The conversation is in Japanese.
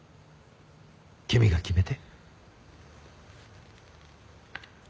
君が決めて。